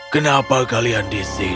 kenapa kalian di sini